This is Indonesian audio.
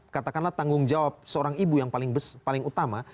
katakanlah tanggung jawab seorang ibu yang paling utama